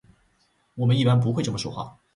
我们一般不会这么说话。